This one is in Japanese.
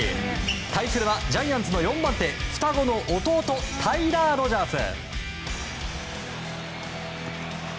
対するは、ジャイアンツの４番手双子の弟タイラー・ロジャース。